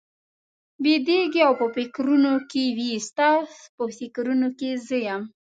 بېدېږي او په فکرونو کې وي، ستا په فکرونو کې زه یم؟